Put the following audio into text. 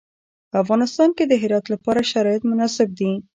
په افغانستان کې د هرات لپاره شرایط مناسب دي.